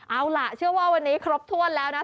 เอาล่ะเชื่อว่าวันนี้ครบถ้วนแล้วนะ